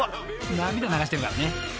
［涙流してるからね］